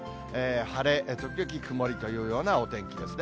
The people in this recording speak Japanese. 晴れ時々曇りというようなお天気ですね。